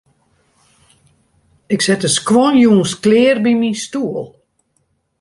Ik set de skuon jûns klear by myn stoel.